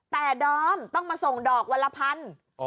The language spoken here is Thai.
แต่ดอมต้องมาส่งดอกวันละพัน